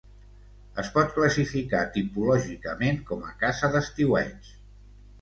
Es pot classificar tipològicament com a casa d'estiueig.